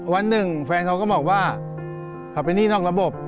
วันหนึ่งแฟนเขาก็บอกว่าเขาเป็นหนี้นอกระบบ